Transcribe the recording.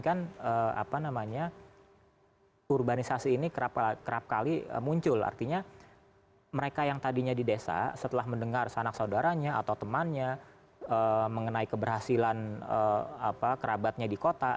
ini kan apa namanya urbanisasi ini kerap kali muncul artinya mereka yang tadinya di desa setelah mendengar sanak saudaranya atau temannya mengenai keberhasilan kerabatnya di kota